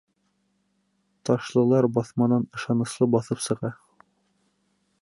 Ташлылар баҫманан ышаныслы баҫып сыға.